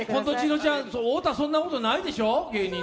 太田、そんなことないでしょ？